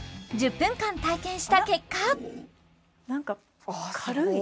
１０分間体験した結果あら？